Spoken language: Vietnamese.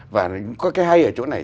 và có cái hay ở chỗ này